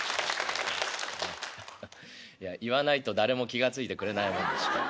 言わないと誰も気が付いてくれないもんでして。